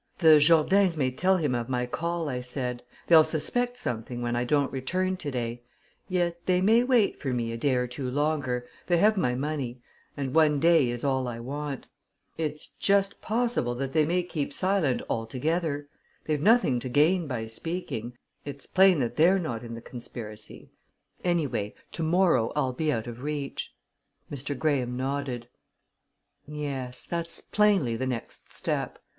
"The Jourdains may tell him of my call," I said. "They'll suspect something when I don't return to day yet they may wait for me a day or two longer they have my money and one day is all I want. It's just possible that they may keep silent altogether. They've nothing to gain by speaking it's plain that they're not in the conspiracy. Anyway, to morrow I'll be out of reach." Mr. Graham nodded. "Yes that's plainly the next step.